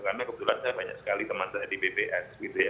karena kebetulan saya banyak sekali teman teman di bps gitu ya